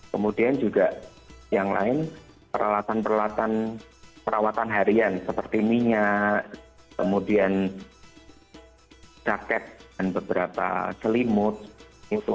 kemudian juga yang lain peralatan peralatan perawatan harian seperti minyak kemudian jaket dan beberapa selimut itu